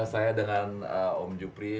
saya dengan om jupri